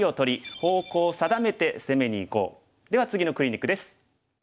では次のクリニックです。